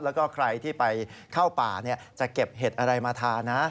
แล้วก็ใครที่ไปเข้าป่าจะเก็บเห็ดอะไรมาทานนะ